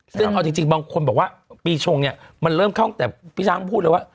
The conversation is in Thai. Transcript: ซึ่งเอาจริงบางคนบอกว่าปีชงเนี่ยมันเริ่มเข้าตั้งแต่พี่ช้างพูดเลยว่า